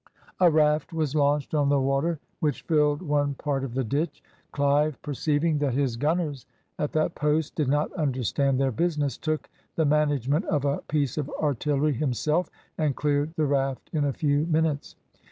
A raft was launched on the water which filled one part of the ditch. Clive, perceiving that his INDIA gunners at that post did not understand their business, took the management of a piece of artillery himself, and cleared the raft in a few minutes.